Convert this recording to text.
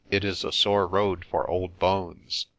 It is a sore road for old bones."